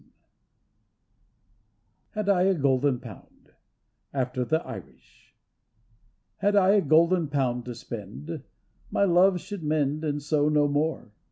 26r> HAD I A GOLDEN POUND (after the Irish) Had I a golden pound to spend, My love should mend and sew no more.